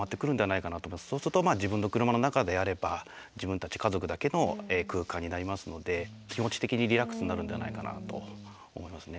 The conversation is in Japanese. そうするとまあ自分の車の中であれば自分たち家族だけの空間になりますので気持ち的にリラックスになるんではないかなと思いますね。